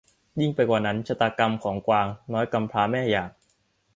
ยิ่งไปกว่านั้นชะตากรรมของกวางน้อยกำพร้าแม่อย่าง